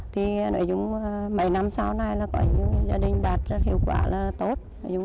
thì mấy năm sau này là gia đình đạt hiệu quả là tốt